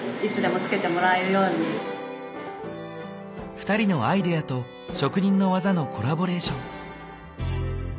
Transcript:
２人のアイデアと職人の技のコラボレーション。